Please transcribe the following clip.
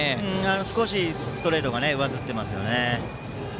少しストレートが上ずっていますよね。